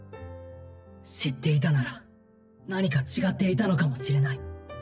知っていたなら何か違っていたのかもしれない。